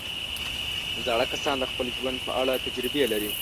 زاړه کسان د خپل ژوند په اړه تجربې لري